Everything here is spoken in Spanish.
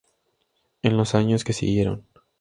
En los años que siguieron,